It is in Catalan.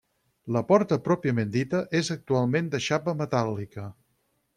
La porta pròpiament dita és actualment de xapa metàl·lica.